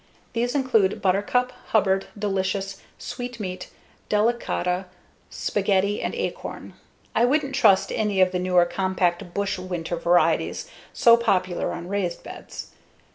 These include Buttercup, Hubbard, Delicious, Sweet Meat, Delicata, Spaghetti, and Acorn. I wouldn't trust any of the newer compact bush winter varieties so popular on raised beds.